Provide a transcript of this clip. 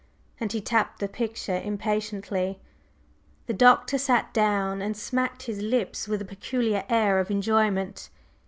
and he tapped the picture impatiently. The Doctor sat down and smacked his lips with a peculiar air of enjoyment.